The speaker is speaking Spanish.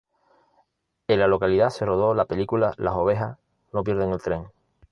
En la localidad se rodó la película Las ovejas no pierden el tren.